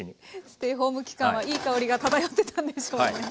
ステイホーム期間はいい香りが漂ってたんでしょうね。